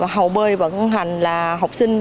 hồ bơi vận hành là học sinh